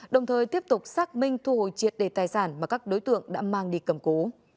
đồng thời tiếp tục xác minh thu hồi triệt đề tài sản mà các đối tượng đã mang đi cầm cố